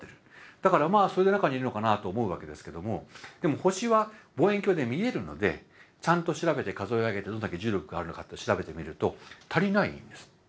だからまあそれで中にいるのかなと思うわけですけどもでも星は望遠鏡で見えるのでちゃんと調べて数え上げてどんだけ重力があるのかって調べてみると足りないんです。